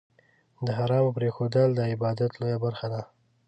د حرامو پرېښودل، د عبادت لویه برخه ده.